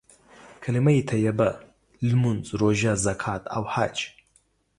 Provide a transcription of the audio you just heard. کليمه طيبه، لمونځ، روژه، زکات او حج.